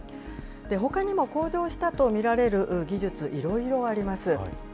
ほかにも向上したと見られる技術、いろいろあります。